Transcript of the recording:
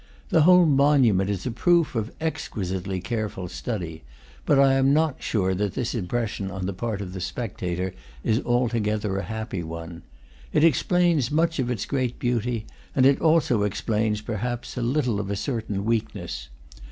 The whole monu ment is a proof of exquisitely careful study; but I am not sure that this impression on the part of the spec tator is altogether a happy one. It explains much of its great beauty, and it also explains, perhaps, a little of a certain weakness.